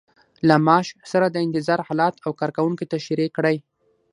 له معاش سره د انتظار حالت او کارکوونکي تشریح کړئ.